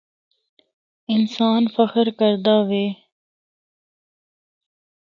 انسان فخر کردا وے۔